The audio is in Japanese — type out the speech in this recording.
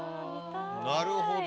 なるほど。